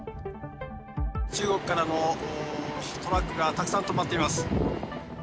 中国からのトラックがたくさん止まっています。